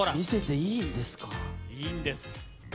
いいんです。